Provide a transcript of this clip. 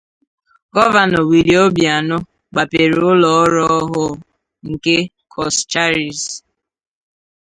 Gọvanọ Willie Obianọ gbàpèrè ụlọ ọrụ ọhụụ nke Coscharis